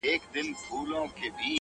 دا موسیقي نه ده جانانه؛ دا سرگم نه دی؛